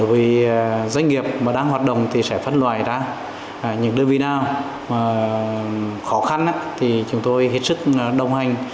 vì doanh nghiệp mà đang hoạt động thì sẽ phân loại ra những đơn vị nào khó khăn thì chúng tôi hết sức đồng hành